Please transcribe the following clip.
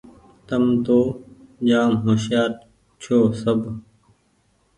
تم تو جآم هوشيآر ڇوٚنٚ سب